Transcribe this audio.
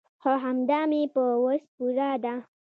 خو همدا مې په وس پوره ده.